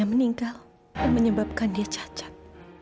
yang meninggal dan menyebabkan dia cacat